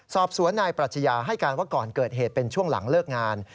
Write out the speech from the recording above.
สอบสวนนายปรัชญาให้การว่าก่อนเกิดเหตุเป็นช่วงหลังเลิกงาน